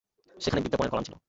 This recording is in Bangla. সেখানে বিজ্ঞাপনের কলাম ছিল।